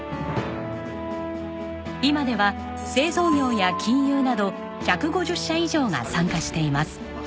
今では製造業や金融など１５０社以上が参加しています。